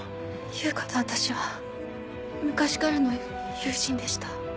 悠香と私は昔からの友人でした。